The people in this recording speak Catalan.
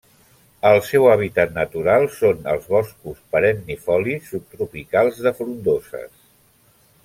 El seu hàbitat natural són els boscos perennifolis subtropicals de frondoses.